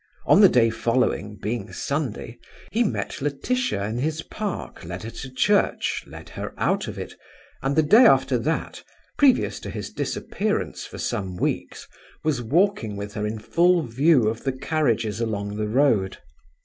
On the day following, being Sunday, he met Laetitia in his park, led her to church, led her out of it, and the day after that, previous to his disappearance for some weeks, was walking with her in full view of the carriages along the road.